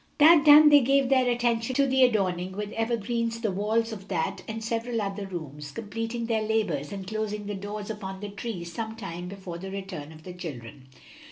That done they gave their attention to the adorning with evergreens the walls of that and several other rooms, completing their labors and closing the doors upon the tree some time before the return of the children.